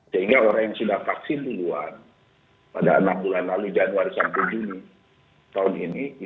sehingga orang yang sudah vaksin duluan pada enam bulan lalu januari sampai juni tahun ini